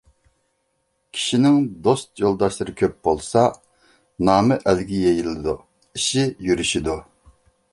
كىشىنىڭ دوست يولداشلىرى كۆپ بولسا، نامى ئەلگە يېيىلىدۇ، ئىشى يۈرۈشىدۇ.